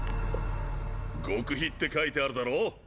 極秘って書いてあるだろ？